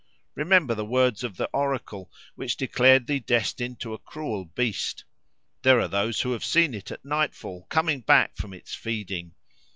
Remember the words of the oracle, which declared thee destined to a cruel beast. There are those who have seen it at nightfall, coming back from its feeding.